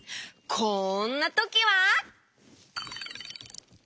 こんなときは！